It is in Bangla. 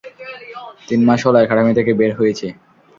তিন মাস হলো একাডেমী থেকে বের হয়েছে।